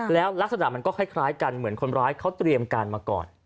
แล้วลักษณะมันก็คล้ายกันเหมือนคนร้ายเขาเตรียมการมาก่อน